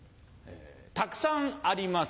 たくさんあります